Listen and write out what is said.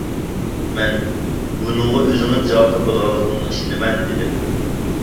مەن: «بۇنىڭغا ئۆزىڭىز جاۋاب تاپىدىغانلىقىڭىزغا ئىشىنىمەن» دېدىم.